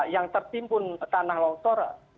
yang tertimbun tanah longsor